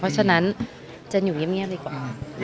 เพราะฉะนั้นเจนอยู่เงียบดีกว่า